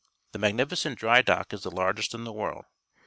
The magnificent dry dock is the largest in th e world.